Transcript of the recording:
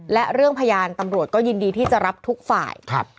และเรื่องพยานตำรวจก็ยินดีที่จะรับทุกฝ่าย